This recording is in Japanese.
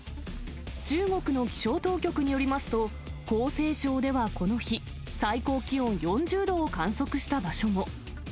中国の気象当局によりますと、江西省ではこの日、最高気温４０度を観測した場所も。